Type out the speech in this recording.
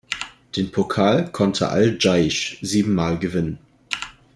Den Pokal konnte al-Dschaisch siebenmal gewinnen.